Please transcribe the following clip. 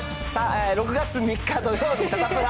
６月３日土曜日、サタプラ。